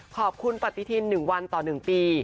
ขอบคุณปฏิทิน๑วันต่อ๑ปี